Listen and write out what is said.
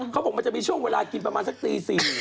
เขาบอกมันจะมีช่วงเวลากินประมาณสักตี๔